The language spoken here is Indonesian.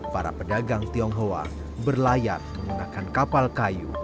para pedagang tionghoa berlayar menggunakan kapal kayu